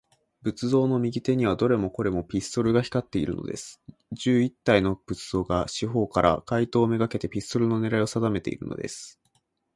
仏像の右手には、どれもこれも、ピストルが光っているのです。十一体の仏像が、四ほうから、怪盗めがけて、ピストルのねらいをさだめているのです。